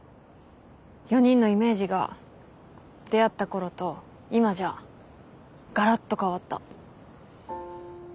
４人のイメージが出会ったころと今じゃがらっと変わった。